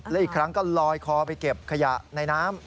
และอีกครั้งก็ลอยคอไปเก็บขยะในน้ำ